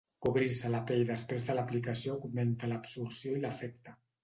Cobrir-se la pell després de l'aplicació augmenta l'absorció i l'efecte.